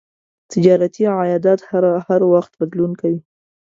تجارتي عایدات هر وخت بدلون کوي.